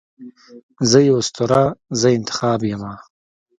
زه یې اسطوره، زه انتخاب یمه